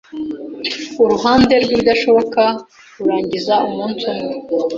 Iruhande rwibidashoboka kurangiza umunsi umwe.